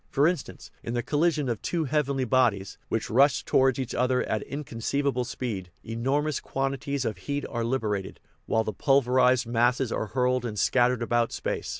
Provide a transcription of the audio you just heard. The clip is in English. For instance, in the collision of two heavenly bodies, which rush towards each other at inconceivable speed, enormous quantities of heat are liberated, while the pulverized masses are hurled and scattered about space.